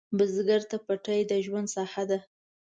بزګر ته پټی د ژوند ساحه ده